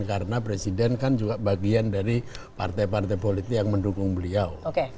karena presiden kan juga bagian dari partai partai politik yang mendukung beliau